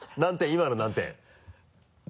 今の何点？